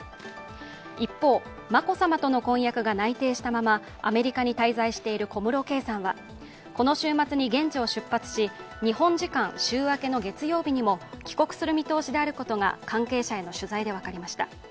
一方、眞子さまとの婚約が内定したままアメリカに滞在している小室圭さんはこの週末に現地を出発し日本時間週明けの月曜日にも帰国する見通しであることが関係者への取材で分かりました。